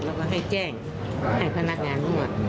แล้วก็ให้แจ้งให้พนักงานนวด